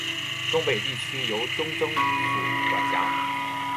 忠北地区由忠州府管辖。